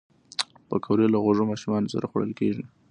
پکورې له خوږو ماشومانو سره خوړل کېږي